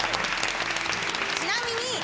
ちなみに。